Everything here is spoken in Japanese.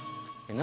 何？